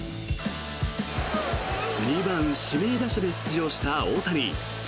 ２番指名打者で出場した大谷。